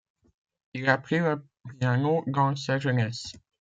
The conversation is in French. Il apprit le piano dans sa jeunesse.